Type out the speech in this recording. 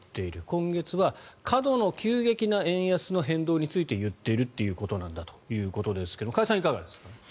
今月は過度の急激な変動の円安について言っているということですが加谷さん、いかがですか？